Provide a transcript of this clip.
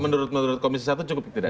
itu cukup menurut komisi satu cukup tidak